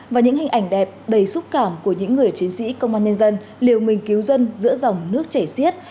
và những hình ảnh đẹp đầy xúc cảm của những người chiến sĩ công an nhân dân liều mình cứu dân giữa dòng nước chảy xiết